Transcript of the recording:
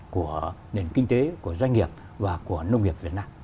của nền kinh tế của doanh nghiệp và của nông nghiệp việt nam